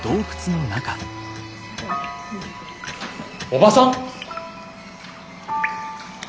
おばさん！？